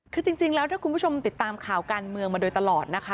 คือจริงแล้วถ้าคุณผู้ชมติดตามข่าวการเมืองมาโดยตลอดนะคะ